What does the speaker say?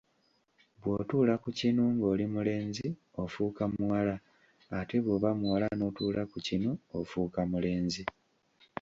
Bw’otuula ku kinu ng’oli mulenzi ofuuka muwala ate bw’oba muwala n’otuula ku kinu ofuuka mulenzi.